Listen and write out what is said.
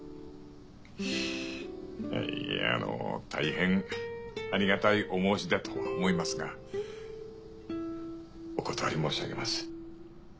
いやあのたいへんありがたいお申し出だと思いますがお断り申しあげます。